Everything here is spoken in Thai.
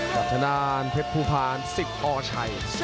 กับชะด้านเพชรภูพาล๑๐อชัย